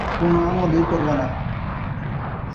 কোন আবুলই করবে না।